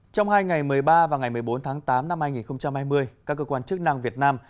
trong hai ngày một mươi ba và ngày một mươi bốn tháng tám năm hai nghìn hai mươi các cơ quan chức năng việt nam